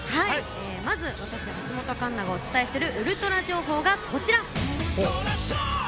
まず私、橋本環奈がお伝えするウルトラ情報がこちら。